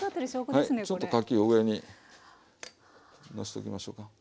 はいちょっとかき上にのしときましょか。